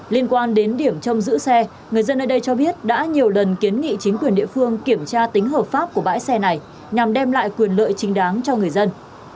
liên quan đến điểm trông giữ xe người dân ở đây cho biết đã nhiều lần kiến nghị chính quyền địa phương kiểm tra tính hợp pháp của bãi xe này nhằm đem lại quyền lợi chính đáng cho người dân